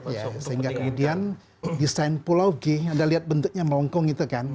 ya sehingga kemudian desain pulau g anda lihat bentuknya melengkung itu kan